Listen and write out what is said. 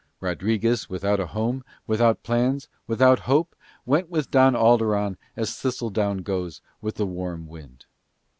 Rodriguez without a home, without plans, without hope, went with Don Alderon as thistledown goes with the warm wind.